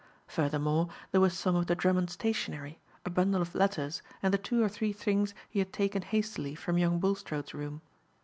Furthermore, there was some of the Drummond stationery, a bundle of letters and the two or three things he had taken hastily from young Bulstrode's room.